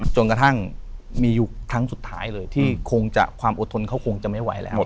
จนกระทั่งมีอยู่ครั้งสุดท้ายเลยที่คงจะความอดทนเขาคงจะไม่ไหวแล้ว